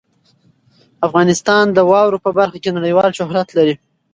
افغانستان د واورو په برخه کې نړیوال شهرت لري.